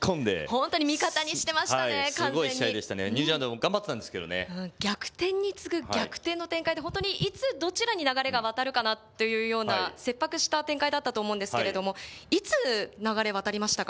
本当にすごい試合でしたね、ニュージーランドも頑張ってたん逆転に次ぐ逆転の展開で、本当にいつ、どちらに流れが渡るかなっていうような切迫した展開だったと思うんですけれども、いつ流れ渡りましたか？